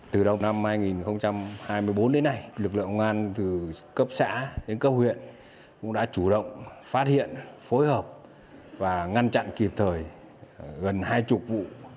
từ đầu năm hai nghìn hai mươi bốn đến nay lực lượng công an từ cấp xã đến cấp huyện cũng đã chủ động phát hiện phối hợp và ngăn chặn kịp thời gần hai mươi vụ